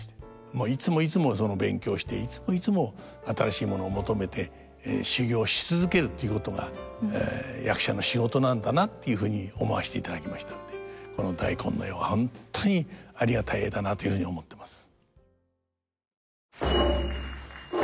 もういつもいつも勉強していつもいつも新しいものを求めて修業し続けるということが役者の仕事なんだなっていうふうに思わせていただきましたのでこの大根の絵は本当にありがたい絵だなというふうに思ってます。